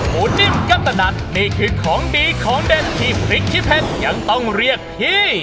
นิ่มกัตนันนี่คือของดีของเด็ดที่พริกขี้เพชรยังต้องเรียกพี่